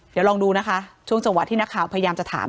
เดี๋ยวลองดูนะคะช่วงจังหวะที่นักข่าวพยายามจะถาม